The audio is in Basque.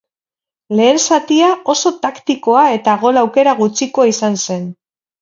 Lehen zatia oso taktikoa eta gol aukera gutxikoa izan zen.